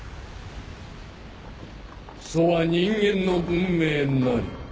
そは「人間の文明」なり。